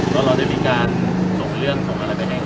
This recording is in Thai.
ก็เราได้มีการส่งเรื่องส่งอะไรไปให้